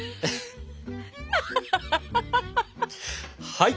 はい。